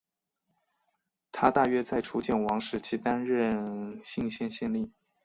他大约在楚简王时期担任圉县县令。